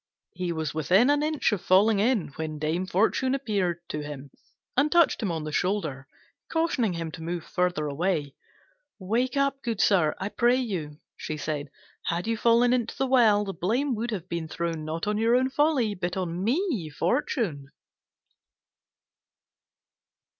He was within an ace of falling in, when Dame Fortune appeared to him and touched him on the shoulder, cautioning him to move further away. "Wake up, good sir, I pray you," she said; "had you fallen into the well, the blame would have been thrown not on your own folly but on me, Fortune."